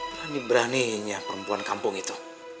berani beraninya perempuan kampung itu